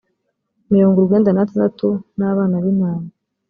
mirongo urwenda n atandatu n abana b intama